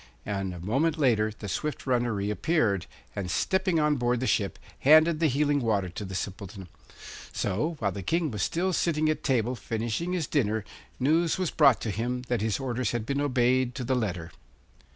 And a moment later the swift runner reappeared, and, stepping on board the ship, handed the healing water to the Simpleton. So while the King was still sitting at table finishing his dinner news was brought to him that his orders had been obeyed to the letter.